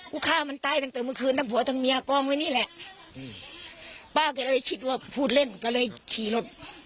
เป็นทั้งผัวทั้งเมียกล้องไว้นี่แหละอืมป้าก็เลยคิดว่าพูดเล่นก็เลยขี่รถ